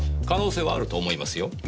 可能性はあると思いますよ。